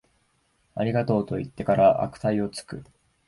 ありがとう、と言ってから悪態をつく